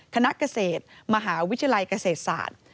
คณะเกษตรมหาวิทยาลัยเกษตรศาสตร์